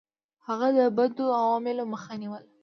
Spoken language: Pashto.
هغه د بدو عواملو مخه نیوله.